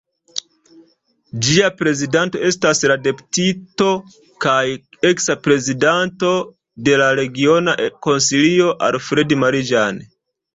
Ĝia prezidanto estas la deputito kaj eksa prezidanto de la Regiona Konsilio Alfred Marie-Jeanne.